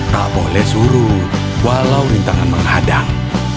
tak boleh suruh walau rintangan menghadang